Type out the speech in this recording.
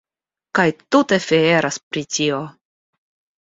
Kaj tute fieras pri tio!